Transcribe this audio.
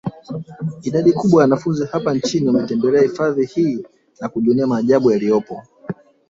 Idadi kubwa ya wanafunzi hapa nchini wanatembelea hifadhi hii na kujionea maajabu yaliyopo